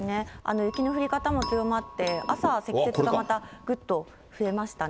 雪の降り方も強まって、朝、積雪がまたぐっと増えましたね。